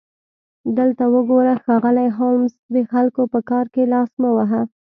دلته وګوره ښاغلی هولمز د خلکو په کار کې لاس مه وهه